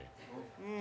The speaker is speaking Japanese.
うん。